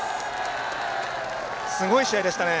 すごい試合でしたね。